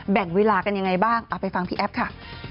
แบ่งเวลากันยังไงบ้างเอาไปฟังพี่แอฟค่ะ